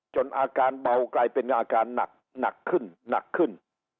อาการเบากลายเป็นอาการหนักหนักขึ้นหนักขึ้น